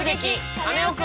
カネオくん」！